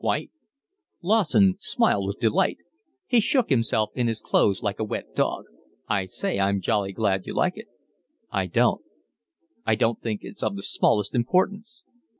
"Quite." Lawson smiled with delight. He shook himself in his clothes like a wet dog. "I say, I'm jolly glad you like it." "I don't. I don't think it's of the smallest importance."